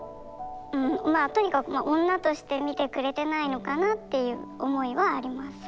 うんまあとにかく女としてみてくれてないのかなっていう思いはあります。